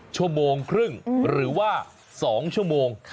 ชั่วโมงครึ่งหรือว่า๒ชั่วโมง